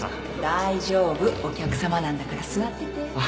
大丈夫。お客さまなんだから座ってて